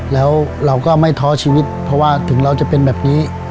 แล้วเราก็ไม่ท้อชีวิตเพราะว่าถึงเราจะเป็นแบบนี้